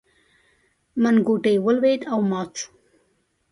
منګوټی ولوېد او مات شو.